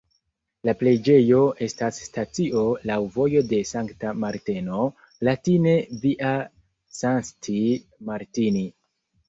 La preĝejo estas stacio laŭ "Vojo de Sankta Marteno" (latine Via Sancti Martini).